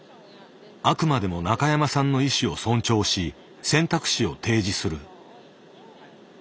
あくまでも中山さんの意思を尊重し選択肢を提示する。